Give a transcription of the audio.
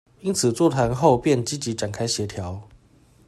因此座談後便積極展開協調